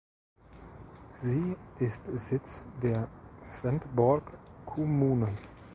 Sie ist Sitz der Svendborg Kommune.